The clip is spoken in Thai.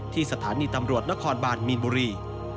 สถานีตำรวจนครบานมีนบุรี